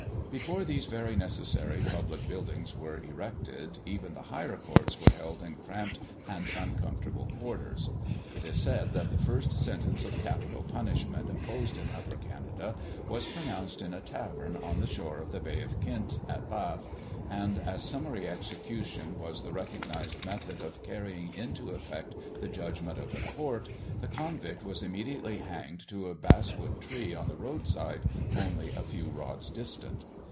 Before these very necessary public buildings were erected, even the higher courts were held in cramped and uncomfortable quarters. It is said that the first sentence of capital punishment imposed in Upper Canada was pronounced in a tavern on the shore of the Bay of Quinte at Bath, and, as summary execution was the recognized method of carrying into effect the judgment of the court, the convict was immediately hanged to a basswood tree on the roadside, only a few rods distant.